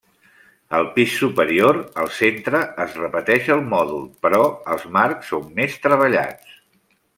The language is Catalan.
Al pis superior, al centre, es repeteix el mòdul però els marcs són més treballats.